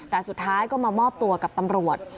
แต่สุดท้ายก็มามอบตัวกับตำรวจ